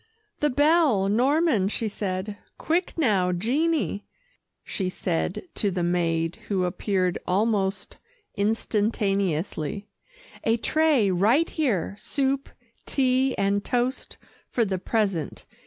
"The bell, Norman," she said. "Quick now, Jeannie," she said to the maid who appeared almost instantaneously; "a tray right here soup, tea and toast, for the present.